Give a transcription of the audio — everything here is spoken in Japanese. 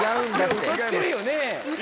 いや歌ってるよね。